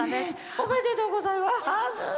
おめでとうございます。